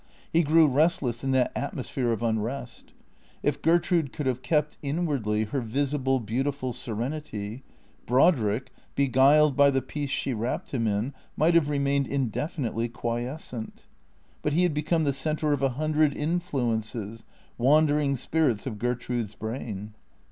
He grew restless in that atmosphere of unrest. If Gertrude could have kept, inwardly, her visible beautiful serenity, Brodrick, beguiled by the peace she wrapped him in, might have remained indefinitely quiescent. But he had become the centre of a hundred influences, wandering spirits of Gertrude's brain.